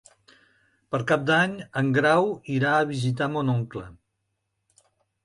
Per Cap d'Any en Grau irà a visitar mon oncle.